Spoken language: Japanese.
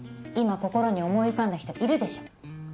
今心に思い浮かんだ人いるでしょ？